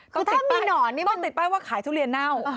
ต้องติดแป้วว่าขายทุเรียนเน่า